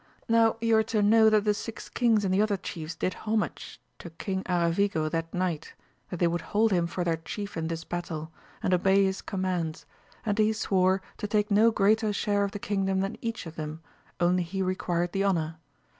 Now you are to know that the six kings and the other chiefs did homage to King Aravigo that night, that they would hold him for their chief in this battle, and obey his] conamands, and he swore to take no greater share of the kingdom than each of them, only he re quired the honour.